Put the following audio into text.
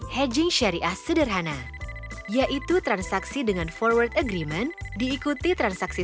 hedging syariah sederhana yaitu transaksi dengan forward agreement diikuti transaksi